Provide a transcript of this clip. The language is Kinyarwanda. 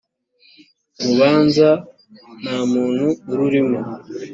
urubanza nta muntu ururimo .